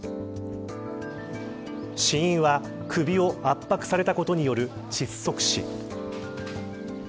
死因は、首を圧迫されたことによる窒息死。